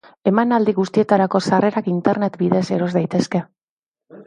Emanaldi guztietarako sarrerak internet bidez eros daitezke.